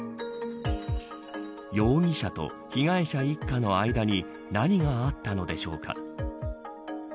容疑者と被害者一家の間に何があったのでしょうか。